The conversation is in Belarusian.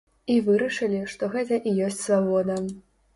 І вырашылі, што гэта і ёсць свабода.